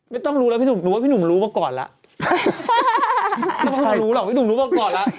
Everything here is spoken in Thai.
ไม่ต้องรู้แล้วพี่หนุ่มรู้ว่าพี่หนุ่มรู้ว่าก่อนล่ะไม่ต้องรู้หรอกพี่หนุ่มรู้ว่าก่อนล่ะ